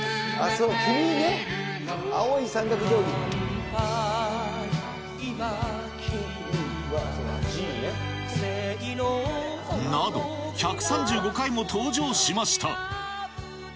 そう、君ね。など、１３５回も登場しました。